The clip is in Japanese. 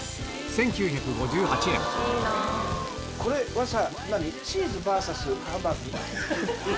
これはさ。